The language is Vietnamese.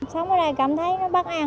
sống ở đây cảm thấy bất an